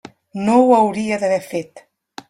No ho hauria d'haver fet.